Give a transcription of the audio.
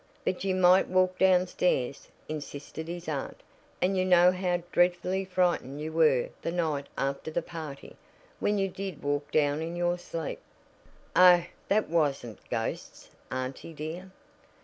"But you might walk downstairs," insisted his aunt, "and you know how dreadfully frightened you were the night after the party, when you did walk down in your sleep." "Oh, that wasn't ghosts, auntie, dear.